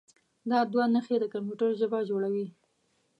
دا دوه نښې د کمپیوټر ژبه جوړوي.